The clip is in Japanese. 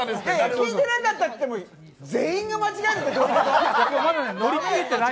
聞いてなかったって、全員が間違えるってどういうこと？